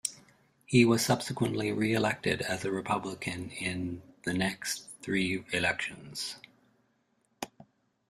He was subsequently re-elected as a Republican in the next three elections.